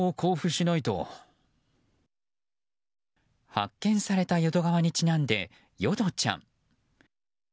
発見された淀川にちなんでよどちゃん。